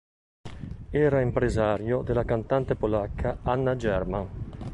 Era impresario della cantante polacca Anna German.